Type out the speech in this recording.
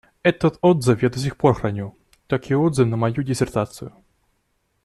Этот отзыв я до сих пор храню, как и отзыв на мою диссертацию.